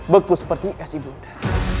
beku seperti es ibu nda